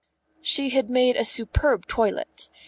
She had made a superb toilet.